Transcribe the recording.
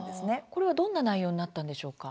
これはどんな内容になったんでしょうか？